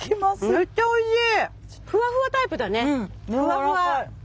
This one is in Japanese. めっちゃおいしい！